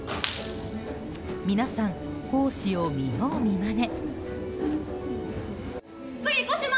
皆さん、講師を見よう見まね。